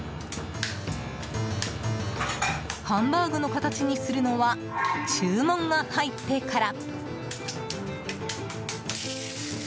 ハンバーグの形にするのは注文が入ってから。